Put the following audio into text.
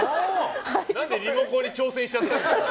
何でリモコンに挑戦しちゃったんでしょう。